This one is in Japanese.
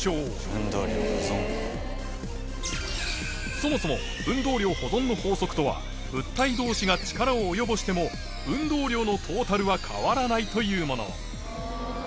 そもそも運動量保存の法則とは物体同士が力を及ぼしても運動量のトータルは変わらないというもの